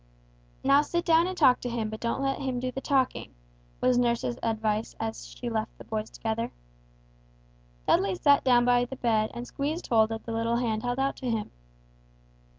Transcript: "Now sit down and talk to him, but don't let him do the talking," was nurse's advice as she left the boys together. Dudley sat down by the bed, and squeezed hold of the little hand held out to him.